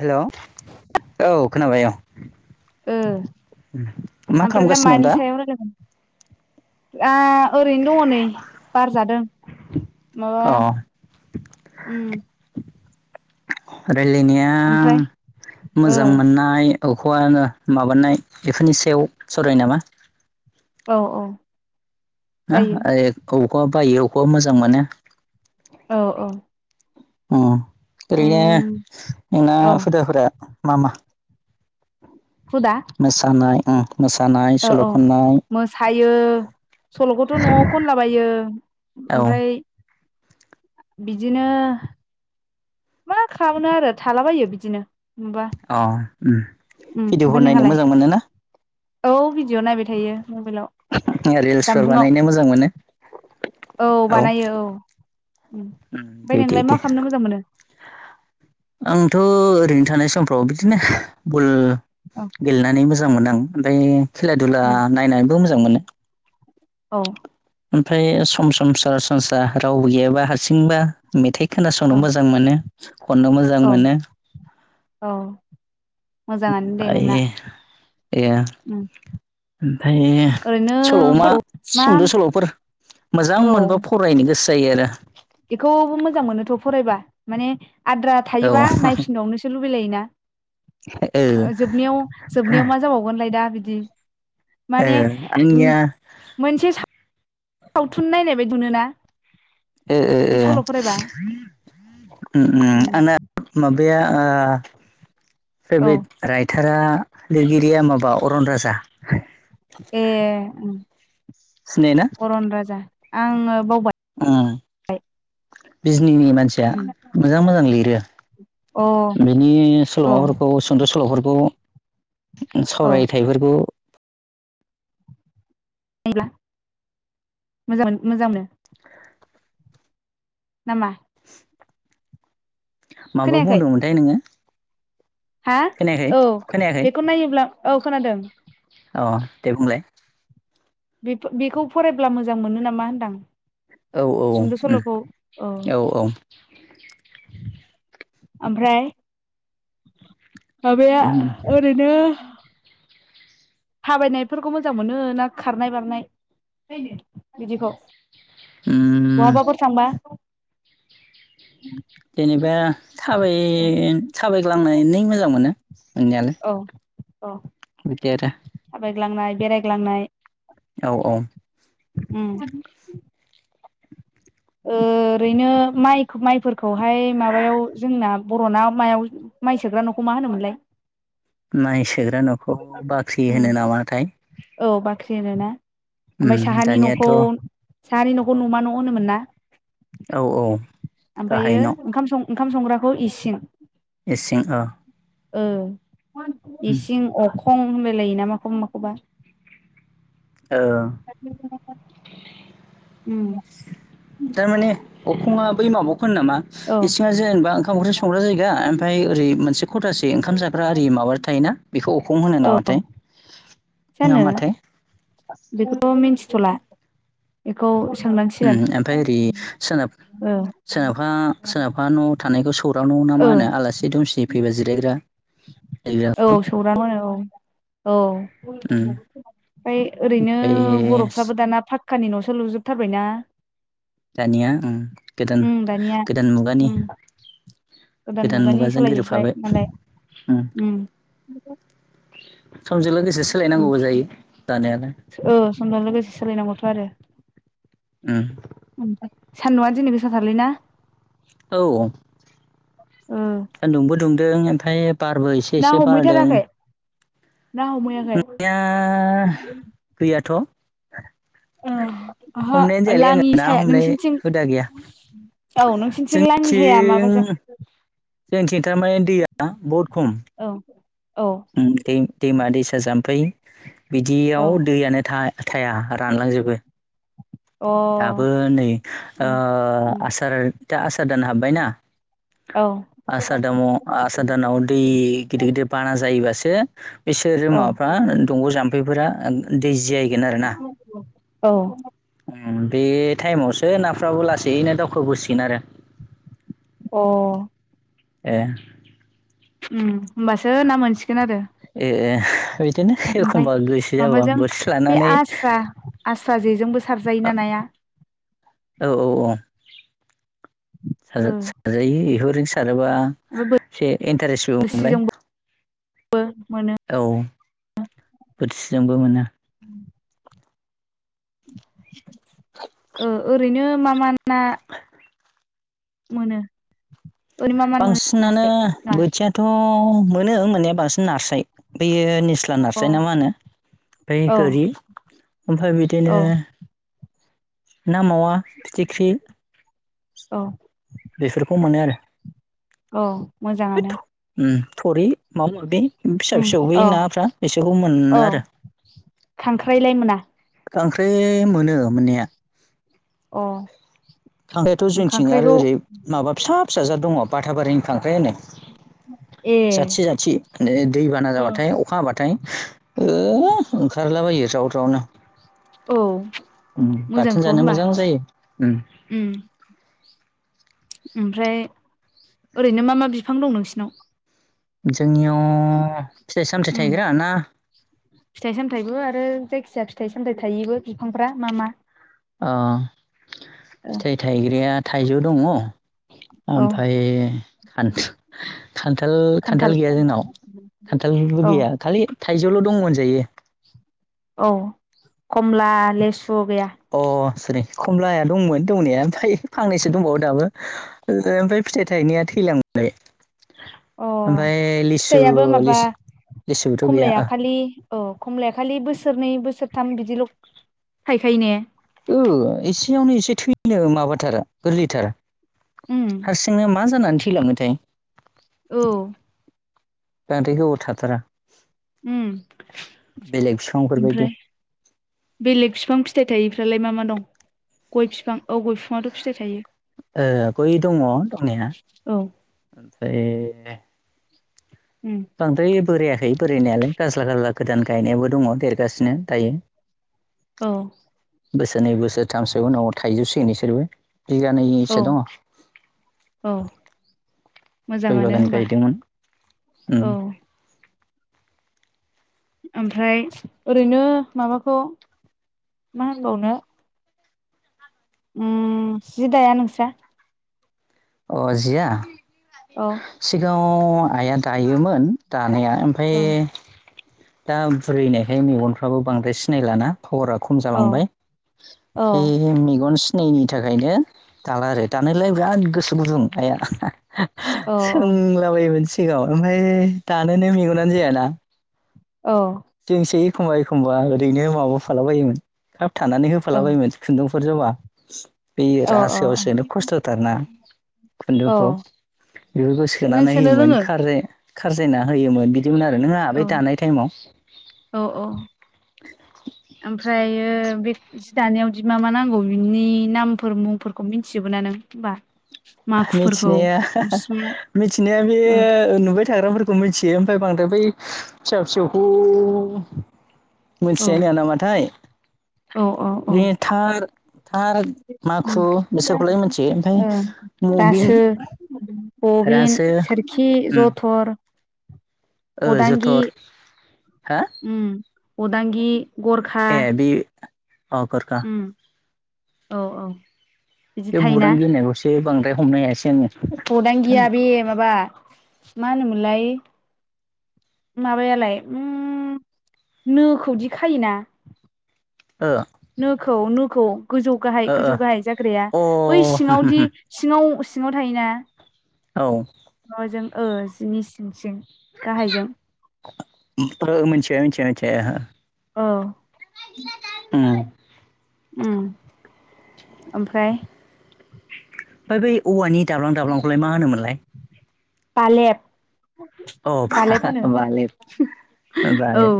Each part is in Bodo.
हेलौ औ खोनाबाय औ ओ मा ओमफ्राय दा खालामगासिनो दं मानि सायाव रायलागोन। [unintelligible] ओरैनो दंङ नै बारजादों माबा अ उम रायलायनाया ओमफ्राय ओ मोजां मोननाय [unintelligible] माबानाय बेफोरनि सायाव सावरायनि नामा? औ औ हा ओ जायो बबेखौबा बायो बबेखौबा मोजां मोनो औ औ उम ओरैनो उम नोंना औ हुदाफोरा मा मा हुदा मोसानाय उम मोसानाय सल खननाय ओ सलखौथ नआव खनलाबायो औ ओमफ्राय बिदिनो मा खालामनो आरो थालाबायो बिदिनो होनबा अ उम भिडिअफोर ओमफाय नायनो नोंहालाय मोजां मोनो ना औ भिडिअ नायबाय थायो मबाइलाव रिल्सफोर जानबुंआव बानायनो मोजां मोनो औ बानायो औ उम ओमफ्राय दे दे नोंलाय मा दे खालामनो मोजां मोनो आंथ'ओ ओरैनो थानाय समफ्राव बिदिनो बल औ गेलेनानै मोजां मोनो आं ओमफाय खेला दधुला उम नायनानैबो मोजां मोनो औ ओमफ्राय सम सम सरासनस्रा रावबो गैयाबा हारसिंबा मेथाइ खोनासंनो औ मोजां मोनो अननो मोजां मोनो अ बायो ए उम ओमफाय ओरैनो सल' मा मा सुंद' सल'फोर मोजां औ मोनबा फरायनो गोसो जायो आरो बेखौबो मोजां मोनोथ' फरायबा माने आद्रा औ ओ थायोबा नायफिनबावनोसो लुबैलायोना जोबनायाव जोबनायाव मा जाबावगोनलाय दा बिदि ओ माने उम आंनिया मोनसे सा सावथुन नायनाय बायदिमोनो ना ओओ उम बेया आ औ फेभरेट राइटारा लिरगिरिया माबा अरन राजा ए उम सिनायोना अरन राजा आङो बावबाय उम बिजनिनि मानसिया उम अ मोजां मोजां लिरो औ बिनि सल'माफोरखौ सुंद' सल'फोरखौ औ सावरायथायाइफोरखौ होनब्ला मोजां मोजां नो [unintelligible] नामा माबायाव खोनायाखै बुंदोंमोनथाय नोङो हा खोनायाखै औ खोनायाखै बेखौ नायोब्ला औ खोनादों अ दे बुंलाय बे बेखौ फरायब्ला मोजां मोनो नामा होनदां औ औ सुंद' सल'खौ ओ औ औ ओमफ्राय माबाया उम ओरैनो थाबायनायफोरखौ मोजां मोनो ना खारनाय बारनाय बिदिखौ बहाबाफोर थांबा जेनेबा थाबाय थाबायग्लांनानैनो मोजां मोनो [unintelligible] अ बिदि आरो थाबायग्लांनाय बेरायग्लांनाय औ औ उम ओ ओरैनो माय माइफोरखौहाय माबायाव जोंना बर'ना मायाव माइ सोग्रा न'खौ मा होनोमोनलाय नायसोग्रा न'खौ बाख्रि उम होनो नामाथाय औ बाख्रि होनोना उम ओमफ्राय साहानि दानियाथ' न'खौ औ साहानि न'खौ न'मा न' होनोमोन ना औ गाहाय ओमफायो न' ओंखाम सं ओंखाम संग्राखौ इसिं इसिं ओ ओ इसिं अख खं होनलायलायोना माखौबा माखौबा? ओ। उम। थारमाने अखुङा बै माबा होनो नामा औ इसिङा जेनेबा ओंखाम ओंख्रि संग्रा जायगा ओमफाय ओरै मोनसे खथासे ओंखाम जाग्रा आरि माबा थायोना बेखौ अखं होनो नामाथाय? जानो नामाथाय बेखौ मिन्थिथला बेखौ सोंनांसिगोन ओम ओमफ्राय ओरै सोनाब ओ सोनाबहा सोनाबहा न थानायखौ सौरा न ना ओ मा होनो आलासि दुमसि फैबा जिरायग्रा औ जिरायग्राखौ सौराम होनो औ औ। उम ओमफाय ओरैनो ओमफ्राय बरफ्राबो दाना फाथ कानि नसो लुजोबथारबायना? दानिया उम गोदान उम दानिया गोदान मुगानि उम गोदान मुगानि मुगाजों सोलायजोब्बाय गोरोबफाबाय मालाय उम उम समजों लोगोसे सोलायनांगौबो जायो जानायालाय औ समजों लोगोसे सोलायनांगौथ आरो। उमह। ओमफ्राय सान्दुंआ दिनै गोसा थारलै ना? औ ओ सान्दुंबो दुंदों ओमफाय बारबो एसे ना एसे बारदों। हमहैथाराखै ना हमहैयाखै? या गैयाथ' ओह ओहो हमनायानो जायालै लाङि आङो ना साया हमनाय नोंसिनिथिं हुदा गैया औ नोंसिनिथि लाङि जाया माबाजों जेंनिथिं थारमाने दैया बहुद खम। औ औ उम दै दैमा दैसा जाम्फै औ बिदियाव दैयानो था थाया रानलांजोबो अ दाबो नै ओ उम आसार दा आसार दान हाबबाय ना? औ। आसार दामाव आसार दामाव दै गिदिर गिदिर बाना जायोबासो बिसोरो औ माबाफ्रा मा दंग जाम्फैफोरा दैज जाहैगोन आरोना? औ। उम बे टाइमावसो नाफ्राबो लासैनो दावखोबोसिगोन आरो अह। एह। होम होमबासो ना मोनसिगोन आरो। ए एह बिदिनो ओमफाय एखमबा गोसो जाबा माबाजों बोरसि बे लानानै आस्रा आस्रा जेजोंबो सारजायोना नाया? औ औ औ। साजा ओ साजायो बेखौ एबा ओमफ्राय एसे एनटारेस बो मोनबाय। बो औ बोरसिजोंबो मोनो। ओ ओरैनो मा मा ना मोनो? ओरैनो मा मा मोनो बांसिनानो नास्राय ना बोथियाथ मोनो मोननाया बांसिन नास्राय बियो निस्ला अ औ नारस्राय ना मा होनो ओमफाय औ गोरि ओमफाय बिदिनो औ ना मावा फिथिख्रि बेफोरखौ मोनो आरो। औ बे मोजाङानो। थरि माबा माबि फिसा उम फिसौ बे अ नाफ्रा बिसोरखौ मोनो औ आरो। खांख्राइलाय मोना खांख्राय मोनो मोननाया अह खांख्रायाथ जोंथिं आरो ओरै माबा फिसा फिसा जा दङ माबा बाथाबारिनि खांख्राय होनो ए जाथि जाथि दैबाना जाबाथाय औ अखा हाबाथाय ओह ओंखारलाबायो ज्राव जावनो उम बाथोन मोजांथ' जानो होमबा मोजां जायो उम ओमफ्राय ओरैनो मा मा बिफां दं नोंसिनाव जोंनियाव फिथाइ सामथाइ उम थायग्रा ना फिथाइ सामथायाइबो आरो जायखि फिसा फिथाइ सामथाय थायोबो बिफांफ्रा मा मा अ फिथाइ थाइग्रया थाइजौ दङ औ ओमफफ्राय खान्थाल खान्थाल गैया जोंनाव खान्थालबो औ गैया खालि थाइजौआवल' दङ होनजायो औ कमला लेसु गैया अ सरि खमलाया दंमोन दंनाया ओमफ्राय फांनैसो दंबावो दाबो ओमफ्राय फिथाइ थायथायनाया थैलां [unintelligible] अ ओमफ्राय लिसु फिथाइयाबो माबा लिस लिसुबोथ' गैया खमलाया खालि औ खमलाया खालि बोसोर बोसोरनै बोसोरथाम बिदिल' थायखायो ने! ओ एसेयावनो एसे थैनो माबाथार गोरलैथार। उम हारसिंनो मा जानानै थैलांनोथाय औ उम बांद्राय गोबाव थाथारा ओम बेलेग बिफांफोरबायदि आमफ्राय बेलेग फिफां फिथाइ थायि फ्रालाय मा मा दं? गय बिफां अ गय बिफाङाथ' फिथाइ थायो ओ गय दङ दंनाया औ आमफ्राय उम बांद्राय बोरायाखै बोरायनायालाय गाज्ला गाज्ला गोदान गायनायावाबो दङ देर गासिनो दायो औ बोसोरनै बोसोरथामसो उन'आव थाइजोब सिगोन इसोरबो औ बिगानैसो दङ। औ गय मोजाङानो बागान होमबा गायदोंमोन। उम औ ओमफ्राय ओरैनो माबाखौ मा होनबावनो उम जि दाया नोंस्रा? अ जिया औ सिगाङाव आइया दायोमोन दा दानाया ओमफ्राय औ दा बुरिनायखाय मेगनफ्राबो बांद्राय सिनायलाना पावारा खम औ जालांबाय । औ बे मेगन सि नायैनि थाखायनो दाला आरो दानायोलाय बिराद गोसो गुदुं आया औ सोंलाबायोमोन सिगाङाव ओमफफ्राय दानोनो मेगनानो जायाना औ जोंसो एखमबा एखमबा ओरैनो माबा होफाला बायोमोन खाब थानानै होफाला औ बायोमोन खुन्दुं फोजोबा जा बे औ औ रासोयावसोनो खस्थ'थारना खुन्दुंखौ औ बेफोरखौ नों सोनानै सोनो होयोमोन रोङो खार खारजायना होयोमोन बिदिमोन आरो नों औ आबै दानाय टाइमाव। औ औ ओमफ्रायो बे जि दानायावदि मा मा नांगौ बिनि नामफोर मुंफोरखौ मिथिजोब नों होनबा मिथिनाया [unintelligible] मिथिनाया बे औ नुबाय थाग्राफोरखौ मिथियो ओमफ्राय बांद्राय बै फिसा फिसौखौ औ मोनथिायो नङा नामाथाय औ औ औ बे थार थार माखु बिसोरखौलाय मिथियो ओमफ्राय ओं मबिन रासो बबिन रासो सोरखि उम जथर ओ अदांगि जथर हा उम अदांगि गरखा ए बे अ गरखा उम औ औ बिदि बे बुरां थायोना गिनायखौसो बांद्राय हमनो हायासै आङो। खौदां गिया बे माबा मा होनोमोनलाय माबायालाय उम नोंखौ दि खायोना आङो नोखौ नोखौ गोजौ गाहाय गोजौ गाहाय जाग्राया ओ बै ओ सिङावदि अ सिङाव सिङाव थायोना। औ माबाजों ओ जिनि सिं सिं गाहायजों मिथिया मिथिया मिथि औ उम ओमफ्राय ओमफ्राय बै औवानि दाब्लां दाब्लांखौलाय मा होनोमोनलाय फालेद अ बालेथ औ बालेथ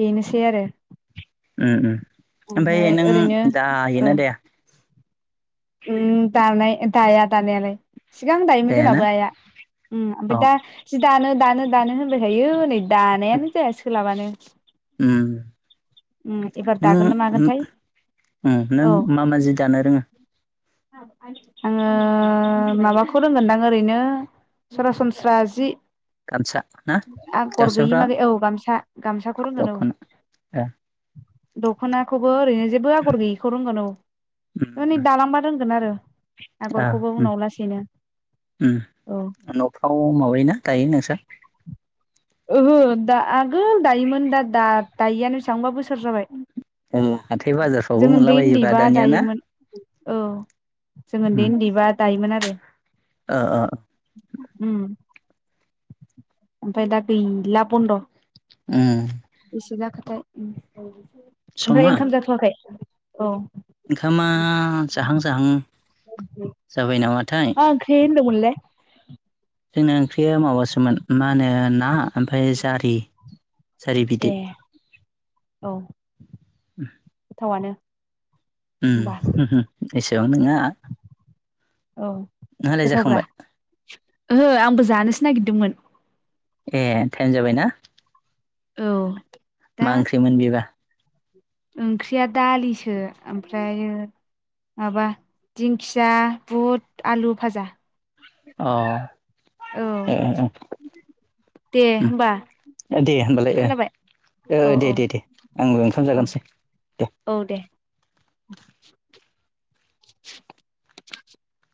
बेनोसै आरो ओमफ्राय नों ओ जायोना दे उम दानाय दाया दानायालाय सिगां दायोमोन दायाना जोंनाबो आइया अ ओमफ्राय दा जि दानो दानो दानो होनबाय थायो नै दानायानो जाया सोलाबानो उम उम एबार दागोन ना नों मागोनथाय नों औ मा मा जि दानो रोङो? आङो माबाखौ रोंगोनदां ओरैनो सरासनस्रा जि गामसा ना आगर गैयि गामसाफ्रा मादै औ गामसा गामसाखौ रोंगोन औ दख'ना ओ दख'नाखौबो ओरैनो जेबो आगर गैयैखौ रोंगोन औ उम नै उम दालांबा होनगोन आरो ओ आगरखौबो उम उनाव लासैनो औ न'फ्राव माबायोना दायो नोंसोर ओहो दा आगोल दायोमोन दा दा दायआानो बेसेबांबा बोसोर जाबाय हाथाय बाजारफ्रावबो जों मोनला उन्दै बजोबा उन्दैबा दानिया ना दायोमोन औ जों उन्दै उन्दैबा दायोमोन आरो अ उ आफ ए इलाफद' उम बेसे जाखाथाय ओमफ्राय समा ओंखाम जाथ'वाखै औ ओंखामा जाहां जाहां जाबाय नामा आ गेन्दमोनल जोंना ओंख्रिया माबासोमोन मा होनो ना ओमफ्राय जारि जारि ए बिदै औ गोथावनो उ एसे नोंहा औ नोंहालाय गोथावब्रा जाखांबाय ओहो आंबो जानोसो नागिरदोंमोन एह थाइनो जाबायना औ दा मा ओंख्रिमोन बेबा ओंख्रिया दालिसो ओमफ्राय माबा दिंखिया बुट आलु भाजा अ औ एह दे होमबा दे खोनाबाय होमबालाय औ दे औ दे दे आंबो ओंखाम औ जागोनसै दे औ [unintelligible] [inaudible]